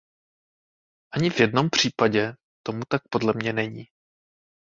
Ani v jednom případě tomu tak podle mě není.